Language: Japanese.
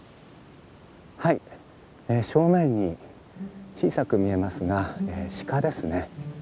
はい正面に小さく見えますがシカですね。